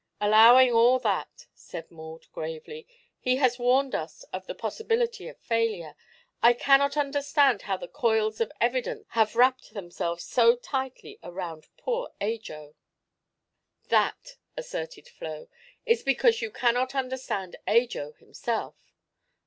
"Allowing all that," said Maud, gravely, "he has warned us of the possibility of failure. I cannot understand how the coils of evidence have wrapped themselves so tightly around poor Ajo." "That," asserted Flo, "is because you cannot understand Ajo himself.